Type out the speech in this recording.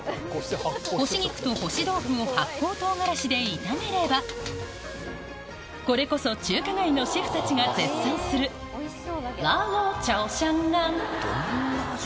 干し肉と干し豆腐を発酵唐辛子で炒めればこれこそ中華街のシェフたちが絶賛するどんな味？